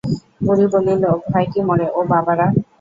বুড়ি বলিল, ভয় কি মোরে, ও বাবারা?